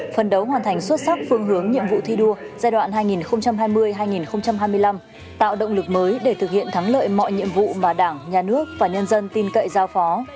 phần đấu hoàn thành xuất sắc phương hướng nhiệm vụ thi đua giai đoạn hai nghìn hai mươi hai nghìn hai mươi năm tạo động lực mới để thực hiện thắng lợi mọi nhiệm vụ mà đảng nhà nước và nhân dân tin cậy giao phó